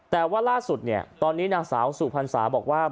แต่ว่าล่าสุดเนี่ยตอนนี้นางสาวสุพรรษาบอกว่า